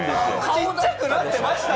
ちっちゃくなってました。